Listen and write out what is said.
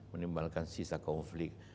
menimbangkan sisa konflik